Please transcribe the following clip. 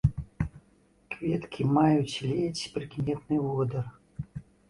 Кветкі маюць ледзь прыкметны водар.